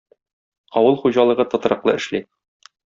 Авыл хуҗалыгы тотрыклы эшли.